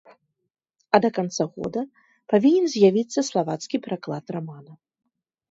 А да канца года павінен з'явіцца славацкі пераклад рамана.